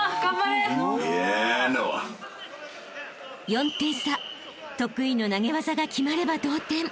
［４点差得意の投げ技が決まれば同点］